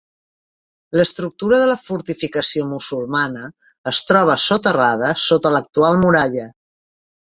L'estructura de la fortificació musulmana es troba soterrada sota l'actual muralla.